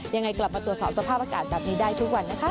ยังไงกลับมาตรวจสอบสภาพอากาศแบบนี้ได้ทุกวันนะคะ